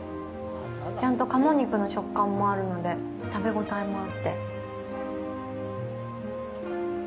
ちゃんと鴨肉の食感もあるので食べ応えもあって。